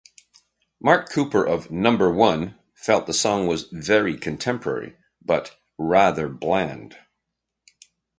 Mark Cooper of "Number One" felt the song was "very contemporary" but "rather bland".